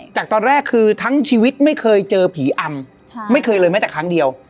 จากตอนแรกคือทั้งชีวิตไม่เคยเจอผีอำไม่เคยเลยแม้แต่ครั้งเดียว